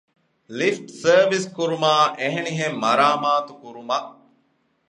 ލިފްޓް ސާރވިސް ކުރުމާއި އެހެނިހެން މަރާމާތު ކުރުމަށް